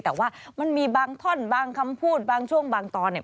แต่ว่ามันมีบางท่อนบางคำพูดบางช่วงบางตอนเนี่ย